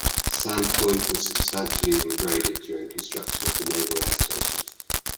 Sand Point was substantially regraded during construction of the naval air station.